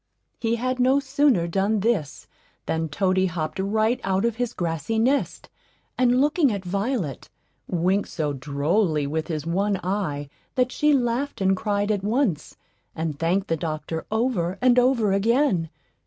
He had no sooner done this than Toady hopped right out of his grassy nest, and looking at Violet, winked so drolly with his one eye that she laughed and cried at once, and thanked the doctor over and over again.